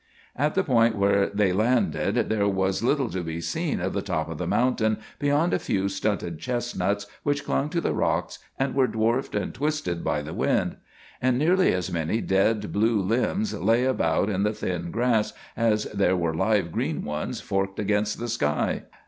"] At the point where they landed there was little to be seen of the top of the mountain beyond a few stunted chestnuts which clung to the rocks and were dwarfed and twisted by the wind; and nearly as many dead blue limbs lay about in the thin grass as there were live green ones forked against the sky.